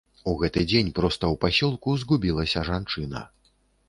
У гэты дзень проста ў пасёлку згубілася жанчына.